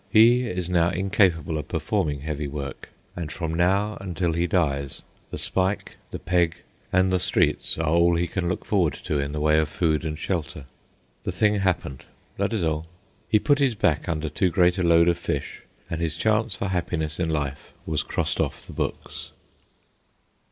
He is now incapable of performing heavy work, and from now until he dies, the spike, the peg, and the streets are all he can look forward to in the way of food and shelter. The thing happened—that is all. He put his back under too great a load of fish, and his chance for happiness in life was crossed off the books.